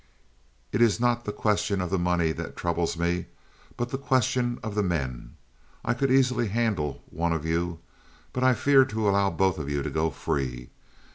"It is not the question of the money that troubles me, but the question of the men. I could easily handle one of you. But I fear to allow both of you to go free.